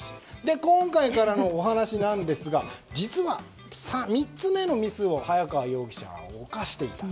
今回からのお話は実は３つ目のミスを早川容疑者は犯していた。